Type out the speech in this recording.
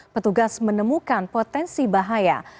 petugas menemukan potensi bahaya